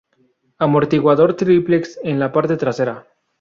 Amortiguador Triplex en la parte trasera.